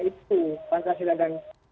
itu pancasila dan